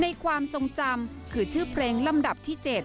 ความทรงจำคือชื่อเพลงลำดับที่๗